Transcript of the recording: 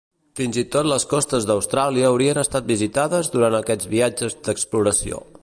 Fins i tot les costes d'Austràlia haurien estat visitades durant aquests viatges d'exploració.